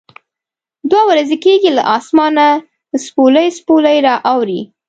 دوه ورځې کېږي له اسمانه څپولی څپولی را اوري.